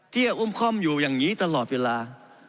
ที่อุ้มค่อมอยู่อย่างนี้ตลอดเวลา